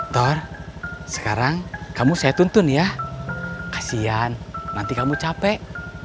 thor sekarang kamu saya tuntun ya kasihan nanti kamu capek